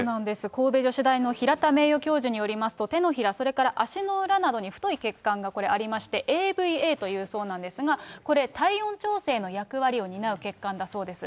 神戸女子大の平田名誉教授によりますと、手のひら、それから足の裏などに太い血管がこれありまして、ＡＶＡというそうなんですが、これ、体温調整の役割を担う血管だそうです。